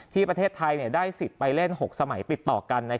ประเทศไทยได้สิทธิ์ไปเล่น๖สมัยติดต่อกัน